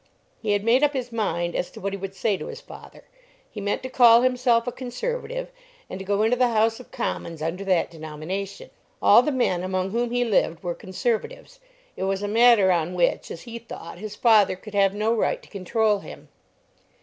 He had made up his mind as to what he would say to his father. He meant to call himself a Conservative, and to go into the House of Commons under that denomination. All the men among whom he lived were Conservatives. It was a matter on which, as he thought, his father could have no right to control him.